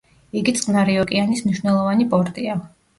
იგი წყნარი ოკეანის მნიშვნელოვანი პორტია.